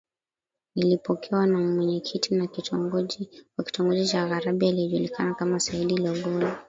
nilipokewa na Mwenyekiti wa Kitongoji cha Ngarambe aliejulikana kama Saidi Logolo